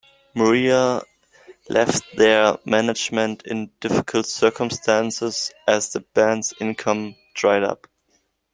Muir left their management in difficult circumstances as the band's income dried up.